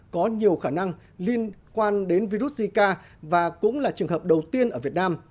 có nhiều khả năng liên quan đến virus zika và cũng là trường hợp đầu tiên ở việt nam